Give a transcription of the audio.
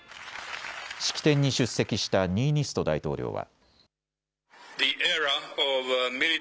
式典に出席したニーニスト大統領は。